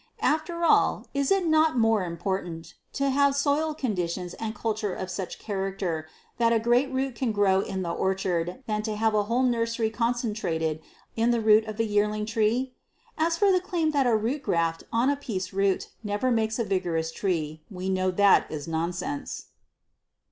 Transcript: After all, is it not more important to have soil conditions and culture of such character that a great root can grow in the orchard than to have a whole nursery concentrated in the root of the yearling tree? As for the claim that a root graft on a piece root never makes a vigorous tree, we know that is nonsense.